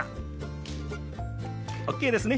ＯＫですね。